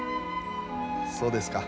そうですか。